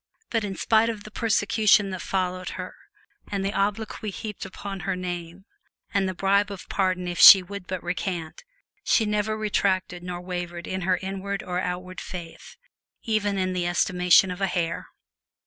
But in spite of the persecution that followed her, and the obloquy heaped upon her name, and the bribe of pardon if she would but recant, she never retracted nor wavered in her inward or outward faith, even in the estimation of a hair.